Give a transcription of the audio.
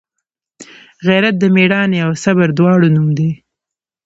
غیرت د میړانې او صبر دواړو نوم دی